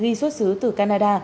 ghi xuất xứ từ canada